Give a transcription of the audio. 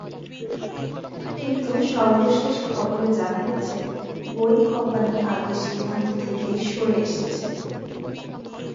কিন্তু সর্বশেষ খবরে জানা গেছে, বোয়িং কোম্পানি আগের সিদ্ধান্ত থেকে সরে এসেছে।